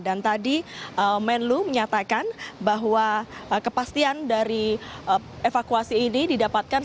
dan tadi menlu menyatakan bahwa kepastian dari evakuasi ini didapatkan